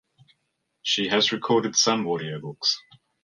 She has recorded some audiobooks.